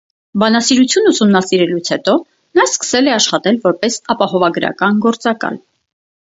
Բանասիրություն ուսումնասիրելուց հետո նա սկսել է աշխատել որպես ապահովագրական գործակալ։